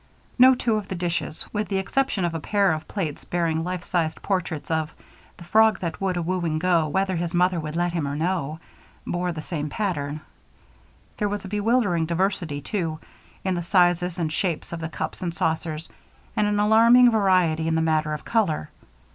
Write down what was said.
No two of the dishes with the exception of a pair of plates bearing life sized portraits of "The frog that would a wooing go, whether his mother would let him or no" bore the same pattern. There was a bewildering diversity, too, in the sizes and shapes of the cups and saucers, and an alarming variety in the matter of color.